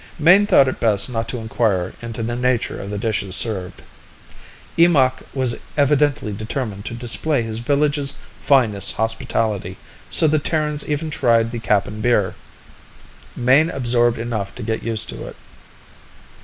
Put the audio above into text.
Mayne thought it best not to inquire into the nature of the dishes served. Eemakh was evidently determined to display his village's finest hospitality, so the Terrans even tried the Kappan beer. Mayne absorbed enough to get used to it.